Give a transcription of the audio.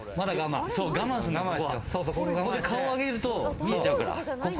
ここで顔を上げると見えちゃうから。